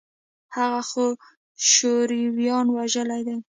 هغه خو شورويانو وژلى دى.